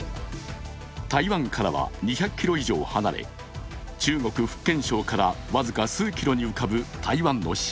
台湾からは２００ｋｍ以上離れ中国福建省からわずか数キロに浮かぶ台湾の島